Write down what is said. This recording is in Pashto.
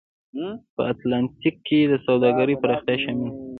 په اتلانتیک کې د سوداګرۍ پراختیا شامل و.